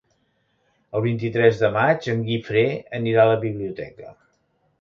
El vint-i-tres de maig en Guifré anirà a la biblioteca.